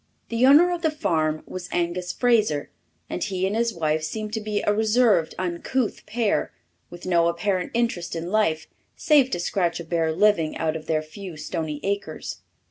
The owner of the farm was Angus Fraser, and he and his wife seemed to be a reserved, uncouth pair, with no apparent interest in life save to scratch a bare living out of their few stony acres.